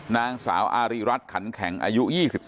นางสาวอารีรัฐขันแข็งอายุ๒๓